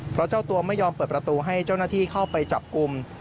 เพราะเจ้าตัวไม่ยอมเปิดประตูให้เจ้าหน้าที่เข้าไปจับกลุ่ม